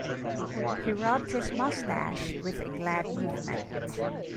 He rubbed his moustache with a glad movement.